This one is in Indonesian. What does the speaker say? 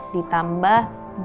empat ditambah dua satu dua